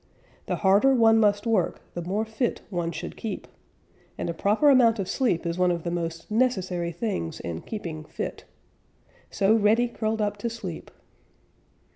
The harder one must work, the more fit one should keep, and a proper amount of sleep is one of the most necessary things in keeping fit. So Reddy curled up to sleep.